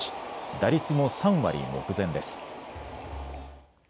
打率も３割目前です。